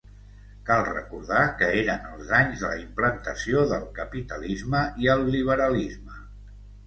Cal recordar que eren els anys de la implantació del capitalisme i el liberalisme.